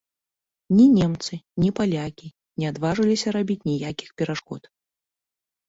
Ні немцы, ні палякі не адважыліся рабіць ніякіх перашкод.